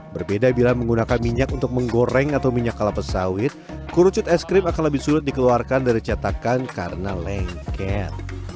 berbeda bila menggunakan minyak untuk menggoreng atau minyak kelapa sawit kerucut es krim akan lebih sulit dikeluarkan dari cetakan karena lengket